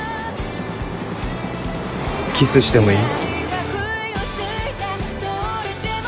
キスしてもいい？